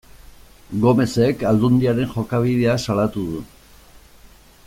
Gomezek Aldundiaren jokabidea salatu du.